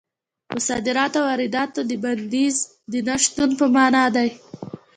په صادراتو او وارداتو د بندیز د نه شتون په مانا ده.